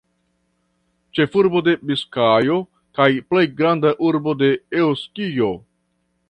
Ĉefurbo de Biskajo kaj plej granda urbo de Eŭskio.